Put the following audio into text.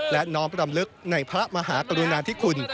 และน้อมรำลึกในพระมหากรุณาธิคุณ